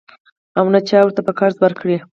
او نه چا ورته په قرض ورکړې.